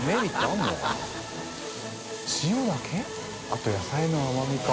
あと野菜の甘みか。